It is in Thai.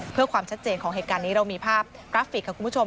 เพื่อความชัดเจนของเหตุการณ์นี้เรามีภาพกราฟิกค่ะคุณผู้ชม